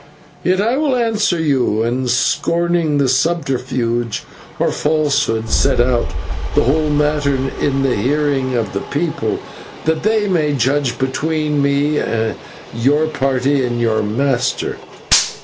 Yet I will answer you, and, scorning subterfuge or falsehood, set out the whole matter in the hearing of the people, that they may judge between me, your party, and your master.